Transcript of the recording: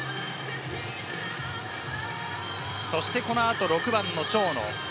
そして、この後、６番の長野。